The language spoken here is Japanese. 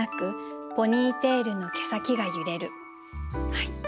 はい。